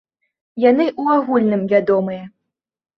Яны ў агульным вядомыя.